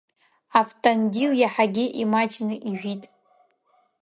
Автандил иаҳагьы имаҷны ижәит.